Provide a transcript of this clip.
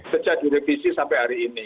sejak direvisi sampai hari ini